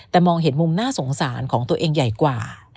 แต่มองเห็นมุมน่าสงสารของตัวเองใหญ่กว่า